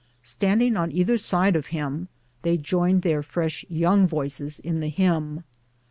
Standing on either side of him, they joined their fresh young voices in the hymn.